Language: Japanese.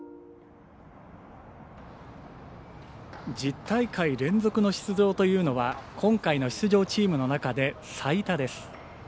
１０大会連続の出場というのは今回の出場チームの中で最多です。